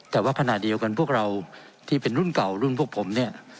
แต่ว่าขณะเดียวกันพวกเราที่เป็นรุ่นเก่ารุ่นพวกผมเนี่ย